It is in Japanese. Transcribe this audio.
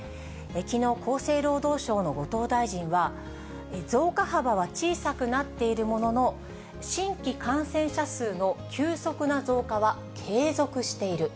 きのう、厚生労働省の後藤大臣は、増加幅は小さくなっているものの、新規感染者数の急速な増加は継続している。